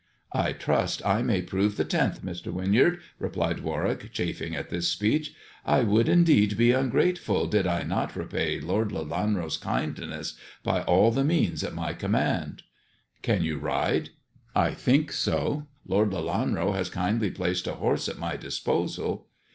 " I trust I may prove the tenth, Mr. Winyard," replied Warwick, chafing at this speech. "I would indeed be ungrateful did I not repay Lord Lelanro's kindness by all the means at my command." " Can you ride 1 "" I think so ! Lord Lelanro has kindly placed a horse at my disposal."